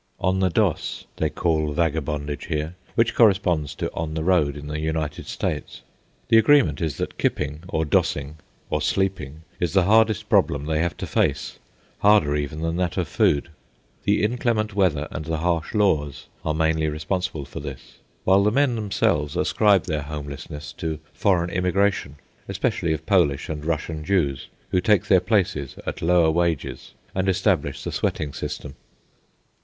"On the doss," they call vagabondage here, which corresponds to "on the road" in the United States. The agreement is that kipping, or dossing, or sleeping, is the hardest problem they have to face, harder even than that of food. The inclement weather and the harsh laws are mainly responsible for this, while the men themselves ascribe their homelessness to foreign immigration, especially of Polish and Russian Jews, who take their places at lower wages and establish the sweating system.